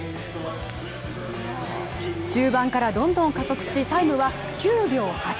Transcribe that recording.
中盤からどんどん加速しタイムは９秒８３。